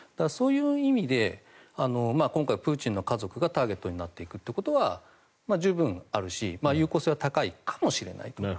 そういう意味で今回、プーチンの家族がターゲットになっていくということは十分あるし有効性は高いかもしれないと。